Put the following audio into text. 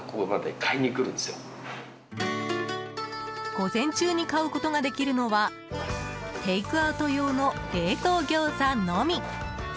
午前中に買うことができるのはテイクアウト用の冷凍餃子のみ。